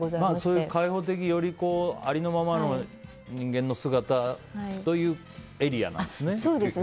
そういう開放的よりありのままの人間の姿っていうエリアなんですね。